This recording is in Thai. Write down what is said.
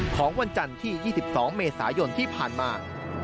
ของวันจันทร์ที่๒๒เมษายนที่ผ่านมา